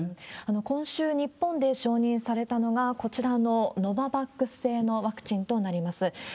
今週、日本で承認されたのが、こちらのノババックス製のワクチンとなります。